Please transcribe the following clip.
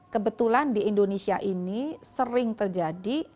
kebetulan di indonesia ini sering terjadi